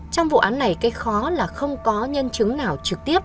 trong vụ án này cái khó là không có nhân chứng nào trực tiếp